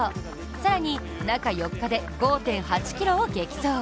更に、中４日で５．８ｋｍを激走。